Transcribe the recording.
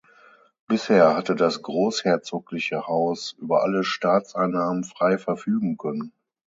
Bisher hatte das Großherzogliche Haus über alle Staatseinnahmen frei verfügen können.